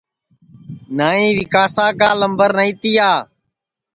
نائی ویکاسا کا لمبر نائی تیا